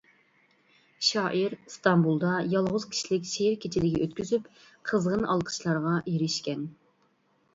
شائىر ئىستانبۇلدا يالغۇز كىشىلىك شېئىر كېچىلىكى ئۆتكۈزۈپ قىزغىن ئالقىشلارغا ئېرىشكەن.